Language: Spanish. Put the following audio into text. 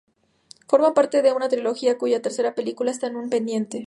Forman parte de una trilogía cuya tercera película está aun pendiente.